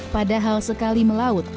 padahal sekali melaut